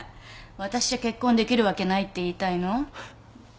私じゃ結婚できるわけないって言いたいの？